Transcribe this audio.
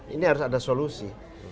ini harus ada solusi